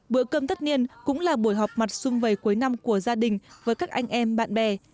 bữa cơm tất niên cũng là buổi họp mặt sung vầy cuối năm của gia đình với các anh em bạn bè